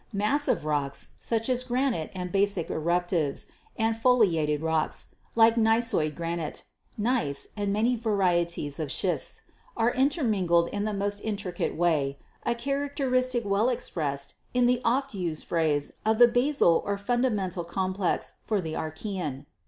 Massive rocks, such as granite and basic eruptives, and foliated rocks, like gneissoid granite, gneiss, many varieties of schists, are intermingled in the most intricate way, a characteristic well expressed in the oft used phrase of the basal or fundamental complex for the Archaean.